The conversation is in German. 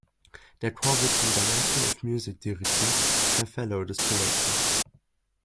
Der Chor wird vom "Director of Music" dirigiert, der Fellow des College ist.